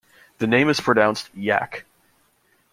The name is pronounced "Yack".